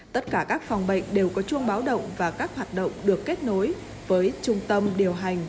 tất cả các phòng bệnh đều có chuông báo động và các hoạt động được kết nối với trung tâm điều hành